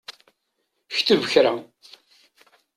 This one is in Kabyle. Kteb kra!